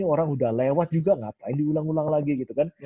orang udah lewat juga ngapain diulang ulang lagi gitu kan